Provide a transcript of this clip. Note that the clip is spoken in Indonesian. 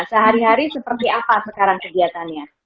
sehari hari seperti apa sekarang kegiatannya